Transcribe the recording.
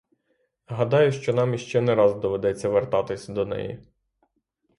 Гадаю, що нам іще не раз доведеться вертатись до неї.